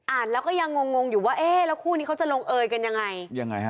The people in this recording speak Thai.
อ่านแล้วก็ยังงงอยู่ว่าเอ๊ะแล้วคู่นี้เขาจะลงเอยกันยังไง